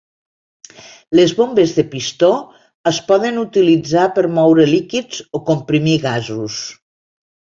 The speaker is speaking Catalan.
Les bombes de pistó es poden utilitzar per moure líquids o comprimir gasos.